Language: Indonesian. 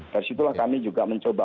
dari situlah kami juga mencoba